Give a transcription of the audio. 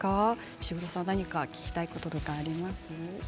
石黒さん、何か聞きたいこととかあります？